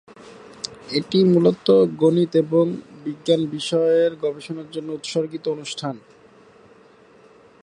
এটি মূলতঃ গণিত ও বিজ্ঞান-এর গবেষণার জন্য উৎসর্গিত অনুষ্ঠান।